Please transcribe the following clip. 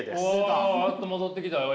やっと戻ってきたよ